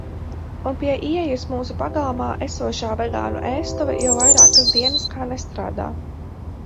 Un pie ieejas mūsu pagalmā esošā vegānu ēstuve jau vairākas dienas kā nestrādā.